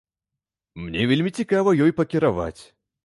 Мне вельмі цікава ёй пакіраваць.